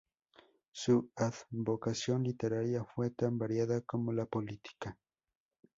Su advocación literaria fue tan variada como la política.